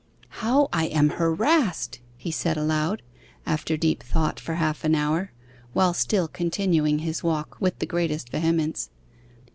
'How I am harassed!' he said aloud, after deep thought for half an hour, while still continuing his walk with the greatest vehemence.